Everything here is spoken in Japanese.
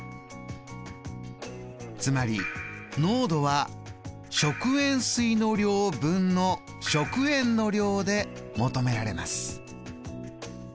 つまり濃度は「食塩水の量」分の「食塩の量」で求められます。